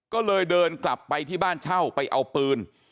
ก็เลยเดินกลับไปที่บ้านเช่าไปเอาปืน